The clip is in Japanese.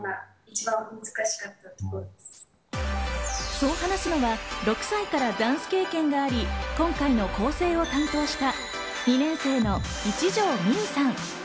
そう話すのは６歳からダンス経験があり、今回の構成を担当した、２年生の一条末悠さん。